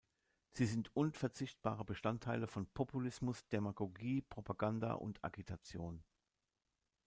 Sie sind unverzichtbare Bestandteile von Populismus, Demagogie, Propaganda und Agitation.